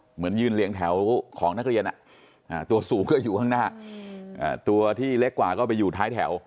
เหมือนยืนเรียงแถวของนักเรียนตัวสูงก็อยู่ข้างหน้าตัวที่เล็กกว่าก็ไปอยู่ท้ายแถว